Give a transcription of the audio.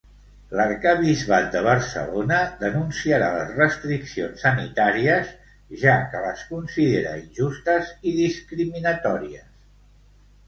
L'arquebisbat de Barcelona denunciarà les restriccions sanitàries, ja que les considera injustes i discriminatòries.